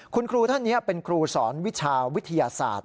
คุณครูท่านนี้เป็นครูสอนวิชาวิทยาศาสตร์